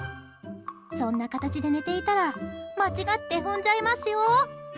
そんな形で寝ていたら間違って踏んじゃいますよ。